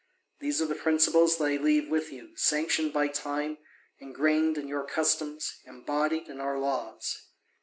These are the principles that I leave with you, sanctioned by time, ingrained in our customs, embodied in our laws.